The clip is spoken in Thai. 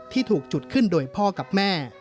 ที่ถูกจุดขึ้นโดยพ่อกับแม่